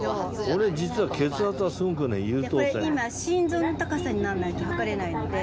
これ今心臓の高さにならないと測れないので。